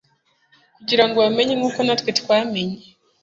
kugira ngo bamenye, nk'uko natwe twamenye